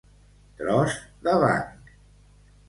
Tros de banc.